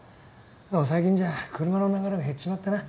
でも最近じゃ車の流れが減っちまってな。